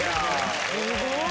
すごい！